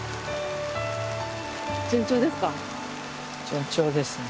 順調ですか？